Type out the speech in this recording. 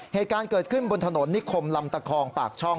เหตุการณ์เกิดขึ้นบนถนนนิคมลำตะคองปากช่อง